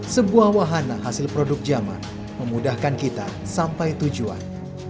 sebuah wahana hasil produk zaman memudahkan kita sampai tujuan